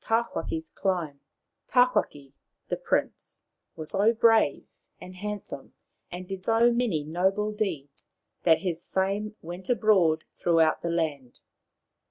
TAWHAKI'S CLIMB Tawhaki, the Prince, was so brave and hand some, and did so many noble deeds, that his fame went abroad throughout the land.